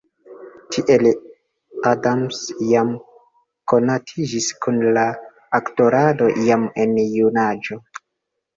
Tiel Adams jam konatiĝis kun la aktorado jam en junaĝo.